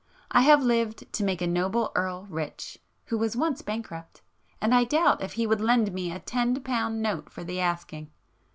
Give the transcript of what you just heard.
I have lived to make a noble Earl rich, who was once bankrupt,—and I doubt if he would lend me a ten pound note for the asking!